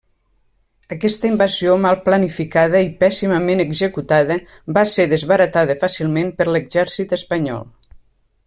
Aquesta invasió mal planificada i pèssimament executada, va ser desbaratada fàcilment per l'Exèrcit espanyol.